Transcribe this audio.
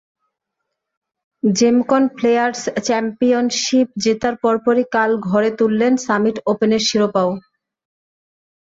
Gemcon players championship জেতার পরপরই কাল ঘরে তুললেন সামিট ওপেনের শিরোপাও।